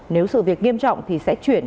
nếu sự việc nghiêm trọng thì sẽ chuyển